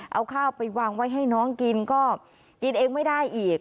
เอาข้าวไปวางไว้ให้น้องกินก็กินเองไม่ได้อีก